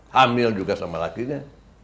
hamil juga sama lakinya